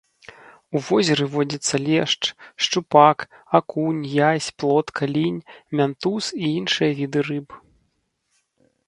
У возеры водзяцца лешч, шчупак, акунь, язь, плотка, лінь, мянтуз і іншыя віды рыб.